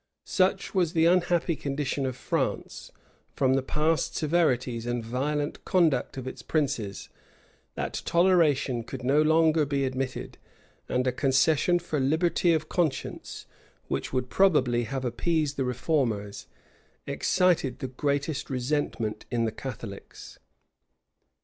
Such was the unhappy condition of France, from the past severities and violent conduct of its princes, that toleration could no longer be admitted; and a concession for liberty of conscience, which would probably have appeased the reformers, excited the greatest resentment in the Catholics.